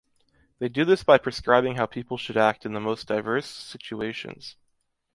They do this by prescribing how people should act in the most diverse situations.